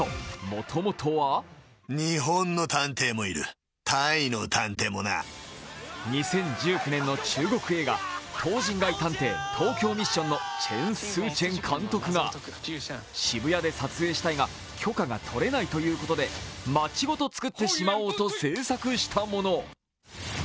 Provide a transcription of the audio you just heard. もともとは２０１９年の中国映画「唐人街探偵・東京ミッション」のチェン・スーチェン監督が渋谷で撮影したいが、許可が取れないということで、街ごとつくってしまおうと制作したもの。